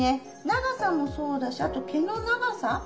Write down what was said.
長さもそうだしあと毛の長さ。